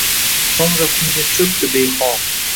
So’ngra qumga cho’kdi behol